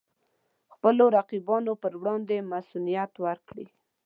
خپلو رقیبانو پر وړاندې مصئونیت ورکړي.